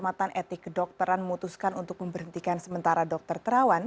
ketua pertahanan dan perawatan etik kedokteran memutuskan untuk memberhentikan sementara dokter perawan